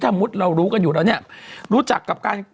สมมุติเรารู้กันอยู่แล้วเนี่ยรู้จักกับการ